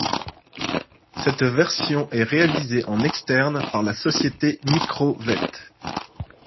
Cette version est réalisée en externe par la société Micro-Vett.